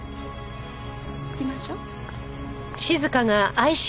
行きましょう。